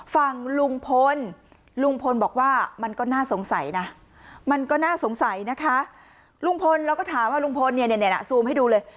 ฝั่งลุงพลลุงพลบอกว่ามันก็น่าสงสัยนะคะเราก็ถามว่าลุงพลเนี่ยซูมให้ดูเลย